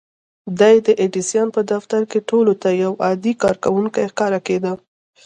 دی د ايډېسن په دفتر کې ټولو ته يو عادي کارکوونکی ښکارېده.